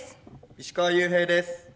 石川裕平です。